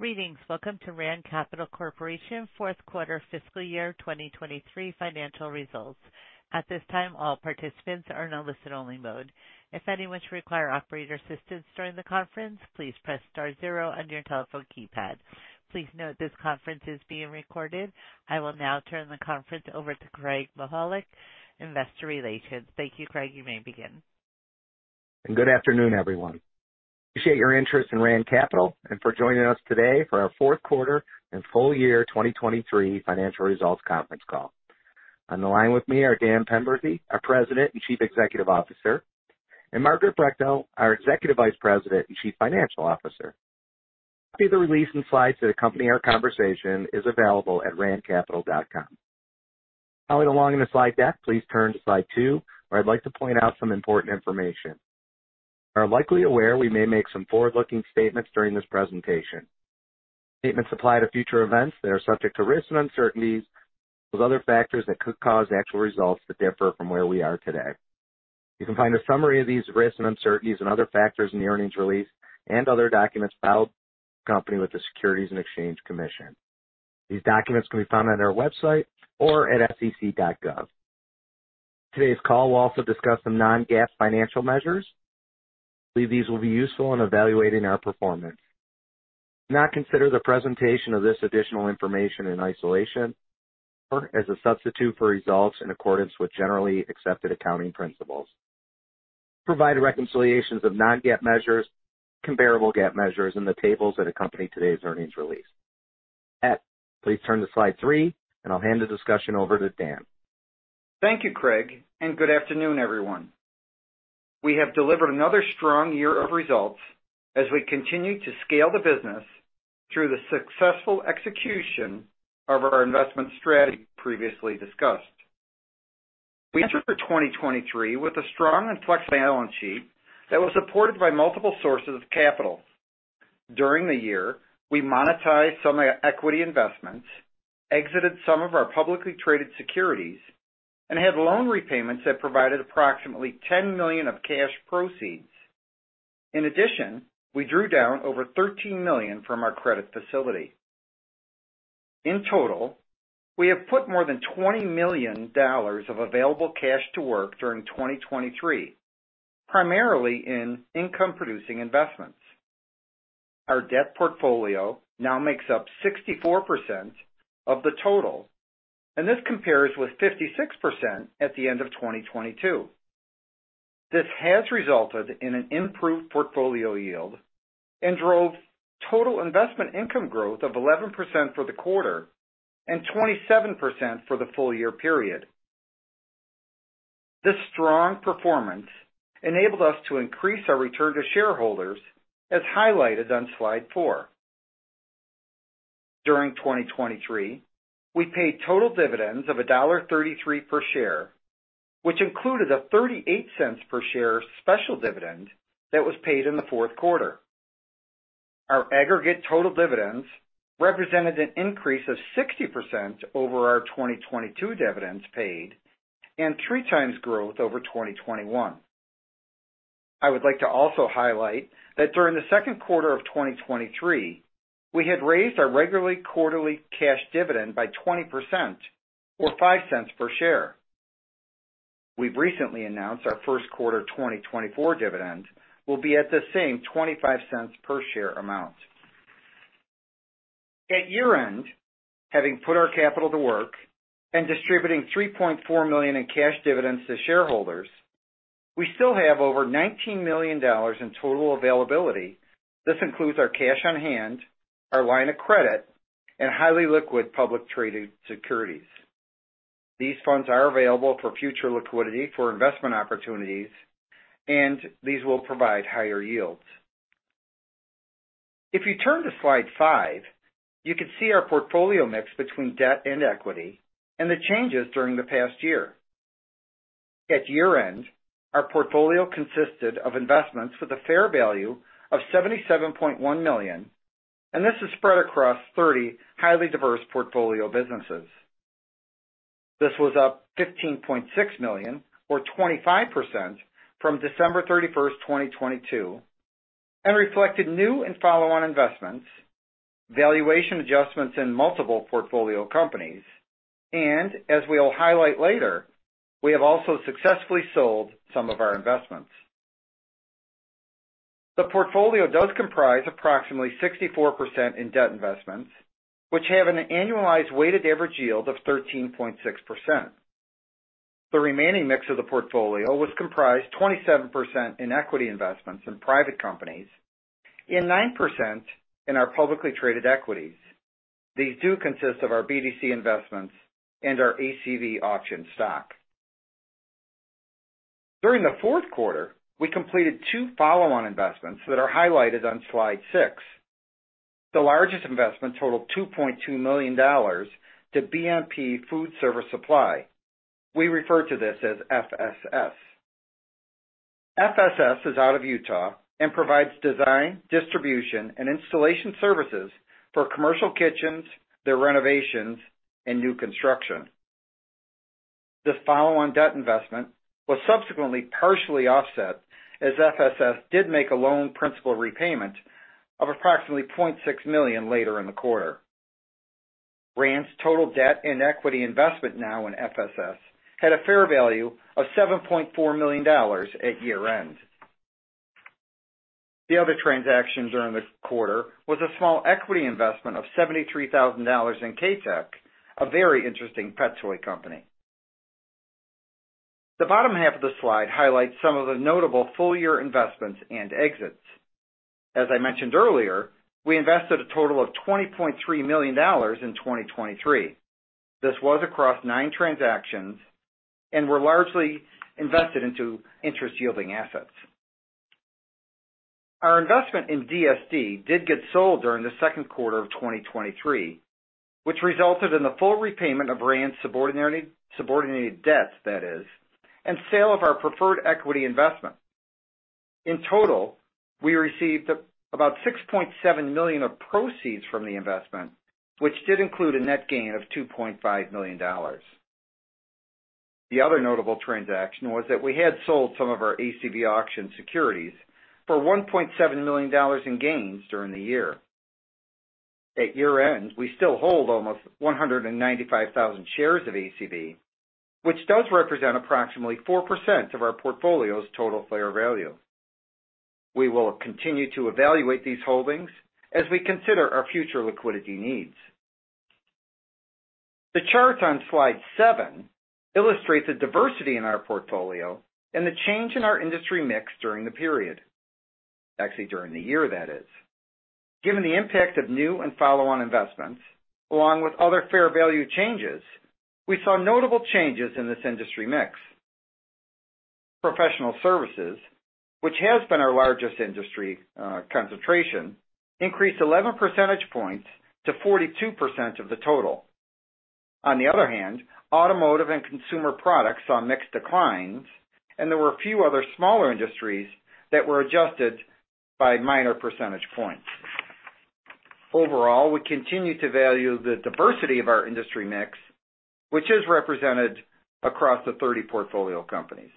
Greetings. Welcome to Rand Capital Corporation fourth quarter fiscal year 2023 financial results. At this time, all participants are in a listen-only mode. If anyone should require operator assistance during the conference, please press star zero on your telephone keypad. Please note this conference is being recorded. I will now turn the conference over to Craig Mychajluk, Investor Relations. Thank you, Craig. You may begin. Good afternoon, everyone. Appreciate your interest in Rand Capital and for joining us today for our fourth quarter and full year 2023 financial results conference call. On the line with me are Dan Penberthy, our President and Chief Executive Officer, and Margaret Brechtel, our Executive Vice President and Chief Financial Officer. A copy of the release and slides to accompany our conversation is available at RandCapital.com. Following along in the slide deck, please turn to slide two, where I'd like to point out some important information. You are likely aware we may make some forward-looking statements during this presentation. Statements apply to future events that are subject to risks and uncertainties, as well as other factors that could cause actual results that differ from where we are today. You can find a summary of these risks and uncertainties and other factors in the earnings release and other documents filed by the company with the Securities and Exchange Commission. These documents can be found on our website or at SEC.gov. Today's call will also discuss some non-GAAP financial measures. We believe these will be useful in evaluating our performance. Do not consider the presentation of this additional information in isolation or as a substitute for results in accordance with generally accepted accounting principles. We provide reconciliations of non-GAAP measures and comparable GAAP measures in the tables that accompany today's earnings release. Please turn to slide three, and I'll hand the discussion over to Dan. Thank you, Craig, and good afternoon, everyone. We have delivered another strong year of results as we continue to scale the business through the successful execution of our investment strategy previously discussed. We entered 2023 with a strong and flexible balance sheet that was supported by multiple sources of capital. During the year, we monetized some equity investments, exited some of our publicly traded securities, and had loan repayments that provided approximately $10 million of cash proceeds. In addition, we drew down over $13 million from our credit facility. In total, we have put more than $20 million of available cash to work during 2023, primarily in income-producing investments. Our debt portfolio now makes up 64% of the total, and this compares with 56% at the end of 2022. This has resulted in an improved portfolio yield and drove total investment income growth of 11% for the quarter and 27% for the full year period. This strong performance enabled us to increase our return to shareholders, as highlighted on slide four. During 2023, we paid total dividends of $1.33 per share, which included a $0.38 per share special dividend that was paid in the fourth quarter. Our aggregate total dividends represented an increase of 60% over our 2022 dividends paid and three times growth over 2021. I would like to also highlight that during the second quarter of 2023, we had raised our regularly quarterly cash dividend by 20%, or $0.05 per share. We've recently announced our first quarter 2024 dividend will be at the same $0.25 per share amount. At year-end, having put our capital to work and distributing $3.4 million in cash dividends to shareholders, we still have over $19 million in total availability. This includes our cash on hand, our line of credit, and highly liquid publicly traded securities. These funds are available for future liquidity for investment opportunities, and these will provide higher yields. If you turn to slide five, you can see our portfolio mix between debt and equity and the changes during the past year. At year-end, our portfolio consisted of investments with a fair value of $77.1 million, and this is spread across 30 highly diverse portfolio businesses. This was up $15.6 million, or 25%, from December 31st, 2022, and reflected new and follow-on investments, valuation adjustments in multiple portfolio companies, and, as we'll highlight later, we have also successfully sold some of our investments. The portfolio does comprise approximately 64% in debt investments, which have an annualized weighted average yield of 13.6%. The remaining mix of the portfolio was comprised 27% in equity investments in private companies and 9% in our publicly traded equities. These do consist of our BDC investments and our ACV Auctions stock. During the fourth quarter, we completed two follow-on investments that are highlighted on slide six. The largest investment totaled $2.2 million to BNP Food Service Supply. We refer to this as FSS. FSS is out of Utah and provides design, distribution, and installation services for commercial kitchens, their renovations, and new construction. This follow-on debt investment was subsequently partially offset as FSS did make a loan principal repayment of approximately $0.6 million later in the quarter. Rand's total debt and equity investment now in FSS had a fair value of $7.4 million at year-end. The other transaction during the quarter was a small equity investment of $73,000 in Caitec, a very interesting pet toy company. The bottom half of the slide highlights some of the notable full-year investments and exits. As I mentioned earlier, we invested a total of $20.3 million in 2023. This was across nine transactions and were largely invested into interest-yielding assets. Our investment in DSD did get sold during the second quarter of 2023, which resulted in the full repayment of Rand's subordinated debts, that is, and sale of our preferred equity investment. In total, we received about $6.7 million of proceeds from the investment, which did include a net gain of $2.5 million. The other notable transaction was that we had sold some of our ACV Auctions securities for $1.7 million in gains during the year. At year-end, we still hold almost 195,000 shares of ACV, which does represent approximately 4% of our portfolio's total fair value. We will continue to evaluate these holdings as we consider our future liquidity needs. The chart on slide seven illustrates the diversity in our portfolio and the change in our industry mix during the period, actually, during the year, that is. Given the impact of new and follow-on investments, along with other fair value changes, we saw notable changes in this industry mix. Professional services, which has been our largest industry concentration, increased 11 percentage points to 42% of the total. On the other hand, automotive and consumer products saw mixed declines, and there were a few other smaller industries that were adjusted by minor percentage points. Overall, we continue to value the diversity of our industry mix, which is represented across the 30 portfolio companies.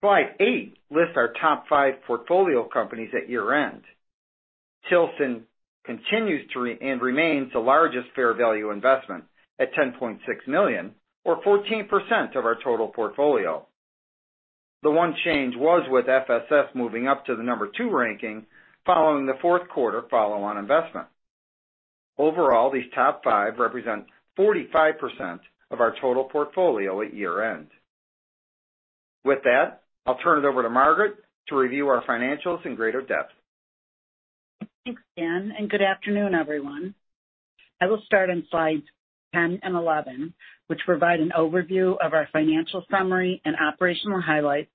Slide eight lists our top five portfolio companies at year-end. Tilson continues and remains the largest fair value investment at $10.6 million, or 14% of our total portfolio. The one change was with FSS moving up to the number 2 ranking following the fourth quarter follow-on investment. Overall, these top five represent 45% of our total portfolio at year-end. With that, I'll turn it over to Margaret to review our financials in greater depth. Thanks, Dan, and good afternoon, everyone. I will start on slides 10 and 11, which provide an overview of our financial summary and operational highlights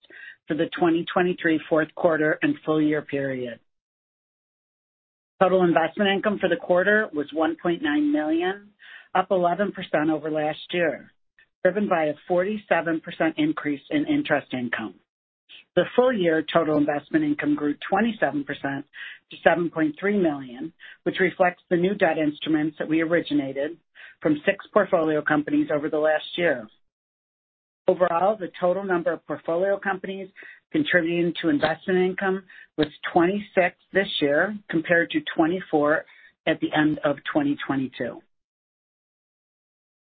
for the 2023 fourth quarter and full year period. Total investment income for the quarter was $1.9 million, up 11% over last year, driven by a 47% increase in interest income. The full year total investment income grew 27% to $7.3 million, which reflects the new debt instruments that we originated from six portfolio companies over the last year. Overall, the total number of portfolio companies contributing to investment income was 26 this year compared to 24 at the end of 2022.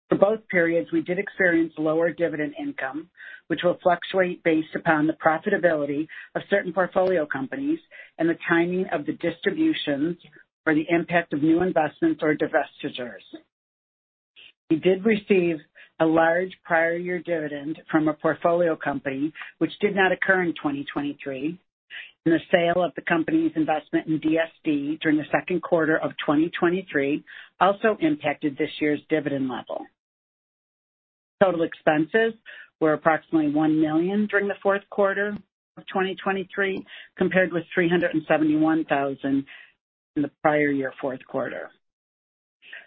For both periods, we did experience lower dividend income, which will fluctuate based upon the profitability of certain portfolio companies and the timing of the distributions or the impact of new investments or divestitures. We did receive a large prior-year dividend from a portfolio company, which did not occur in 2023, and the sale of the company's investment in DSD during the second quarter of 2023 also impacted this year's dividend level. Total expenses were approximately $1 million during the fourth quarter of 2023 compared with $371,000 in the prior year fourth quarter.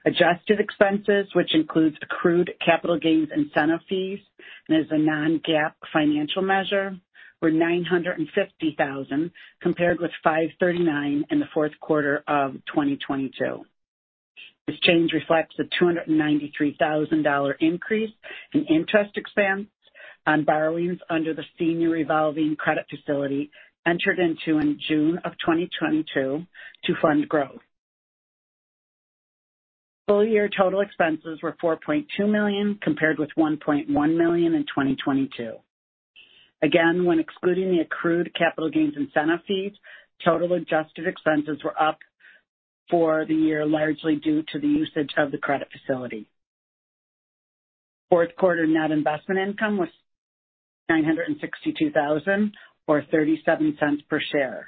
Adjusted expenses, which includes accrued capital gains incentive fees and is a non-GAAP financial measure, were $950,000 compared with $539,000 in the fourth quarter of 2022. This change reflects a $293,000 increase in interest expense on borrowings under the senior revolving credit facility entered into in June of 2022 to fund growth. Full year total expenses were $4.2 million compared with $1.1 million in 2022. Again, when excluding the accrued capital gains incentive fees, total adjusted expenses were up for the year largely due to the usage of the credit facility. Fourth quarter net investment income was $962,000, or $0.37 per share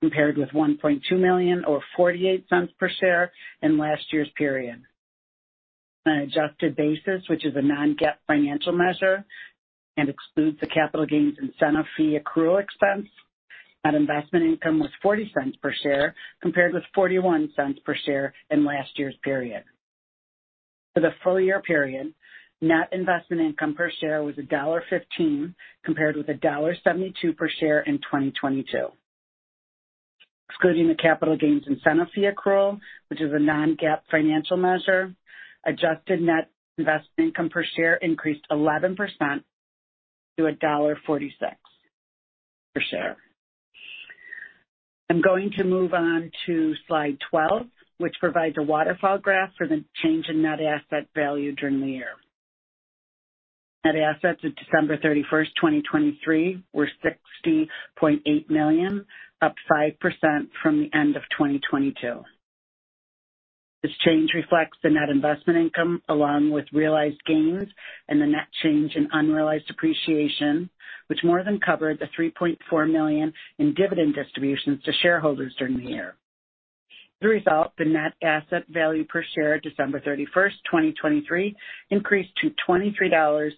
compared with $1.2 million, or $0.48 per share in last year's period. On an adjusted basis, which is a non-GAAP financial measure and excludes the capital gains incentive fee accrual expense, net investment income was $0.40 per share compared with $0.41 per share in last year's period. For the full year period, net investment income per share was $1.15 compared with $1.72 per share in 2022. Excluding the capital gains incentive fee accrual, which is a non-GAAP financial measure, adjusted net investment income per share increased 11% to $1.46 per share. I'm going to move on to slide 12, which provides a waterfall graph for the change in net asset value during the year. Net assets of December 31st, 2023, were $60.8 million, up 5% from the end of 2022. This change reflects the net investment income along with realized gains and the net change in unrealized depreciation, which more than covered the $3.4 million in dividend distributions to shareholders during the year. As a result, the net asset value per share December 31st, 2023, increased to $23.56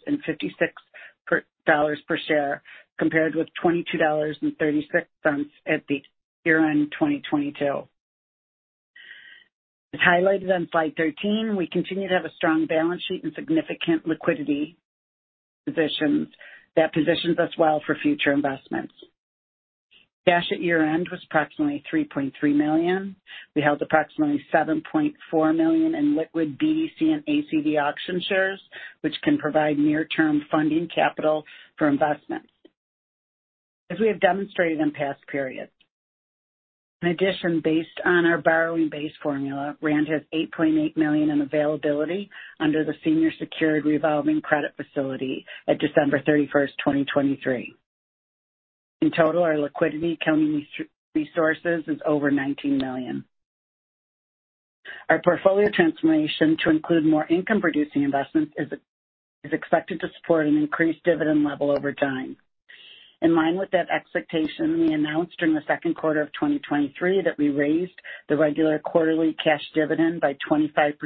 per share compared with $22.36 at the year-end 2022. As highlighted on slide 13, we continue to have a strong balance sheet and significant liquidity positions that positions us well for future investments. Cash at year-end was approximately $3.3 million. We held approximately $7.4 million in liquid BDC and ACV Auctions shares, which can provide near-term funding capital for investments, as we have demonstrated in past periods. In addition, based on our borrowing base formula, Rand has $8.8 million in availability under the senior secured revolving credit facility at December 31st, 2023. In total, our liquidity accounting resources is over $19 million. Our portfolio transformation to include more income-producing investments is expected to support an increased dividend level over time. In line with that expectation, we announced during the second quarter of 2023 that we raised the regular quarterly cash dividend by 25%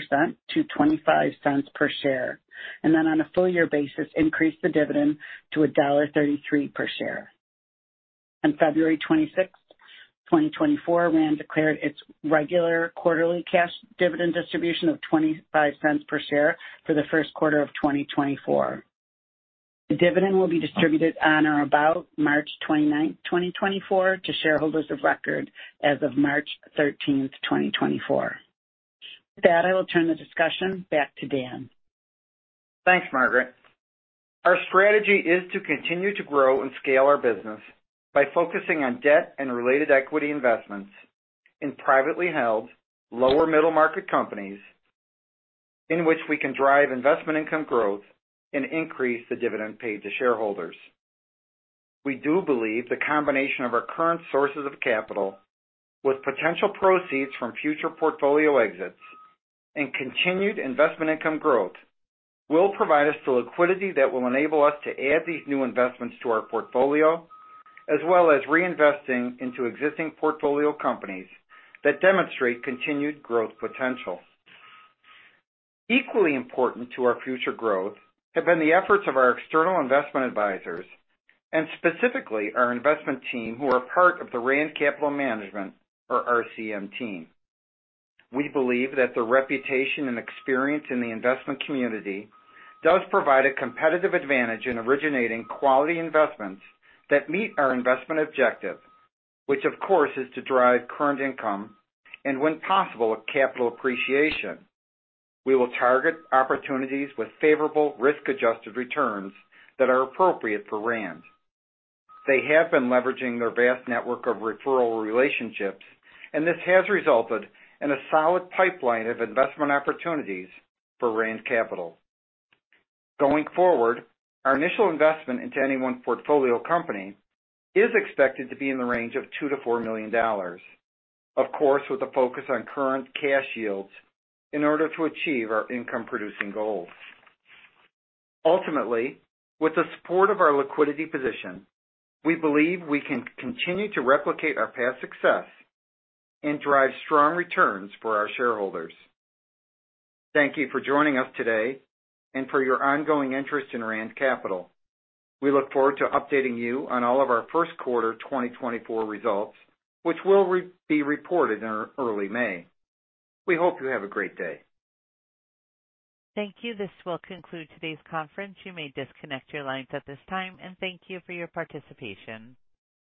to $0.25 per share and then, on a full year basis, increased the dividend to $1.33 per share. On February 26th, 2024, Rand declared its regular quarterly cash dividend distribution of $0.25 per share for the first quarter of 2024. The dividend will be distributed on or about March 29th, 2024, to shareholders of record as of March 13th, 2024. With that, I will turn the discussion back to Dan. Thanks, Margaret. Our strategy is to continue to grow and scale our business by focusing on debt and related equity investments in privately held, lower middle market companies in which we can drive investment income growth and increase the dividend paid to shareholders. We do believe the combination of our current sources of capital with potential proceeds from future portfolio exits and continued investment income growth will provide us the liquidity that will enable us to add these new investments to our portfolio, as well as reinvesting into existing portfolio companies that demonstrate continued growth potential. Equally important to our future growth have been the efforts of our external investment advisors and, specifically, our investment team who are part of the Rand Capital Management, or RCM, team. We believe that the reputation and experience in the investment community does provide a competitive advantage in originating quality investments that meet our investment objective, which, of course, is to drive current income and, when possible, capital appreciation. We will target opportunities with favorable risk-adjusted returns that are appropriate for Rand. They have been leveraging their vast network of referral relationships, and this has resulted in a solid pipeline of investment opportunities for Rand Capital. Going forward, our initial investment into any one portfolio company is expected to be in the range of $2 million-$4 million, of course, with a focus on current cash yields in order to achieve our income-producing goals. Ultimately, with the support of our liquidity position, we believe we can continue to replicate our past success and drive strong returns for our shareholders. Thank you for joining us today and for your ongoing interest in Rand Capital. We look forward to updating you on all of our first quarter 2024 results, which will be reported in early May. We hope you have a great day. Thank you. This will conclude today's conference. You may disconnect your lines at this time, and thank you for your participation.